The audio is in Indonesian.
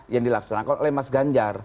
yang dilaksanakan oleh mas ganjar